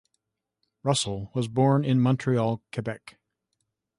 Russel was born in Montreal, Quebec.